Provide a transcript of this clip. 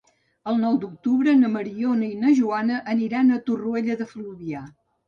El nou d'octubre na Mariona i na Joana aniran a Torroella de Fluvià.